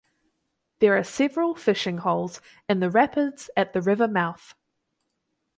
There are several fishing holes in the rapids at the river mouth.